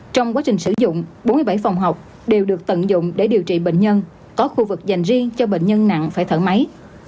trong quá trình sử dụng bốn mươi bảy phòng học đều được tận dụng để điều trị bệnh nhân có khu vực dành riêng cho bệnh nhân nặng phải thở máy